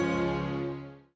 dan insya allah suatu hari nanti